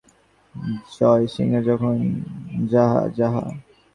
জয়সিংহ যখন যাহা যাহ।